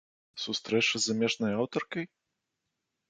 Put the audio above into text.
Сустрэча з замежнай аўтаркай?